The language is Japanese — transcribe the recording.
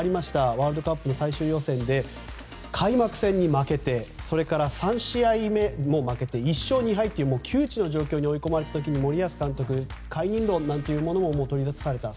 ワールドカップの最終予選で開幕戦に負けてそれから３試合目も負けて１勝２敗という窮地の状況に追い込まれた時に森保監督解任論なんていうものも取り沙汰された。